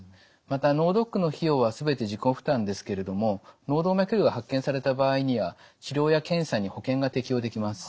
また脳ドックの費用は全て自己負担ですけれども脳動脈瘤が発見された場合には治療や検査に保険が適用できます。